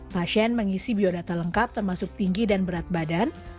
pasien mengisi biodata lengkap termasuk tinggi dan berat badan